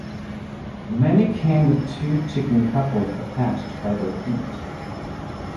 Many came with two chicken couples attached by their feet.